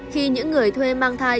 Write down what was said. khi những người thuê mang thai